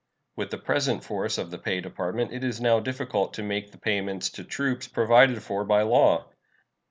With the present force of the Pay Department it is now difficult to make the payments to troops provided for by law.